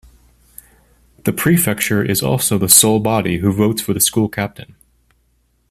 The Prefecture is also the sole body who votes for the School Captain.